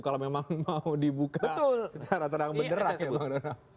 yang mau dibuka secara terang berderak ya bang rona